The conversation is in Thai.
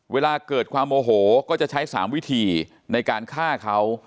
เวลาเกิดความโมโหก็จะใช้๓วิธีในการฆ่าเขา